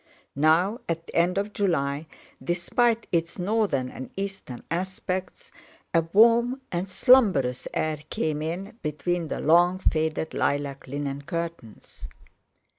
Now, at the end of July, despite its northern and eastern aspects, a warm and slumberous air came in between the long faded lilac linen curtains.